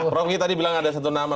prof gini tadi bilang ada satu nama